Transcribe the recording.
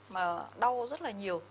mà đau rất là nhiều